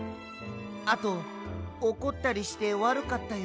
あとおこったりしてわるかったよ。